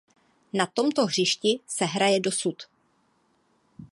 Na tomto hřišti se hraje dosud.